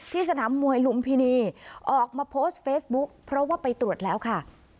สนามมวยลุมพินีออกมาโพสต์เฟซบุ๊คเพราะว่าไปตรวจแล้วค่ะ